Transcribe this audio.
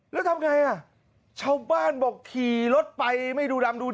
แล้วทำไงชาวบ้านบอกขี่รถไปไม่ดูรัม